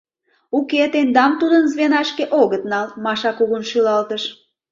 — Уке, тендам тудын звенашке огыт нал, — Маша кугун шӱлалтыш.